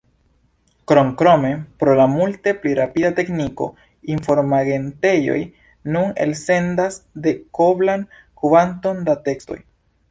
Kromkrome pro la multe pli rapida tekniko, informagentejoj nun elsendas dekoblan kvanton da tekstoj.